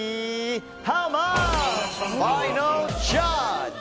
ハウマッチファイナルジャッジ。